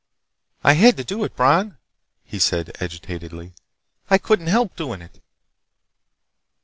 "I had to do it, Bron," he said agitatedly. "I couldn't help doing it!"